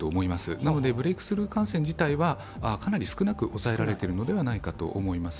なので、ブレークスルー感染自体はかなり少なく抑えられていると思います。